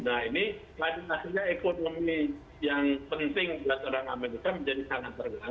nah ini maksudnya ekonomi yang penting buat orang amerika menjadi sangat terganggu